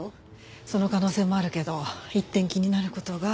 その可能性もあるけど一点気になる事が。